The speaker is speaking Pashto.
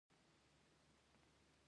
یو سل او یو نوي یمه پوښتنه د بخشش آمر دی.